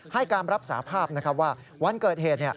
ให้การรับสาภาพว่าวันเกิดเหตุ